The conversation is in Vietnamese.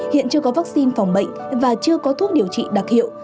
hiện chưa có vaccine phòng bệnh và chưa có thuốc điều trị đặc hiệu